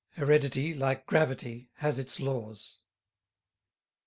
Heredity, like gravity, has its laws.